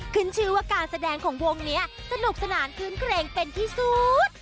ขึ้นชื่อว่าการแสดงของวงนี้สนุกสนานคืนเกรงเป็นที่สุด